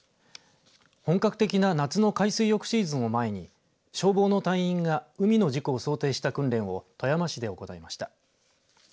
本格的な夏の海水浴シーズンを前に消防の隊員が海の事故を想定した訓練を富山市で行いました。